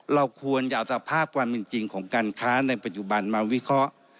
เราควรจะเอาสภาพความเป็นจริงของการค้าในปัจจุบันมาวิเคราะห์